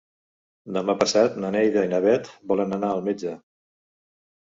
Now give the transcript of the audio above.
Demà passat na Neida i na Bet volen anar al metge.